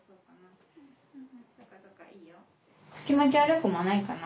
気持ち悪くもないかな？